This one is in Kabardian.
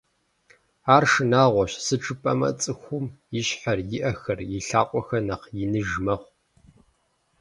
Ар шынагъуэщ, сыту жыпӀэмэ, цӀыхум и щхьэр, и Ӏэхэр, и лъакъуэхэр нэхъ иныж мэхъу.